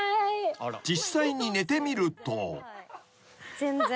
［実際に寝てみると］